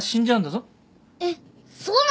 えっそうなの？